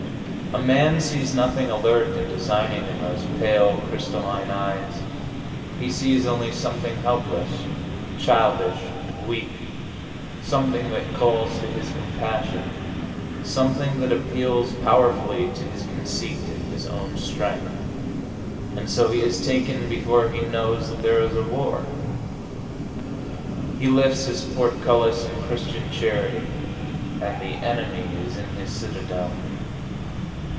A man sees nothing alert and designing in those pale, crystalline eyes; he sees only something helpless, childish, weak; something that calls to his compassion; something that appeals powerfully to his conceit in his own strength. And so he is taken before he knows that there is a war. He lifts his portcullis in Christian charity and the enemy is in his citadel.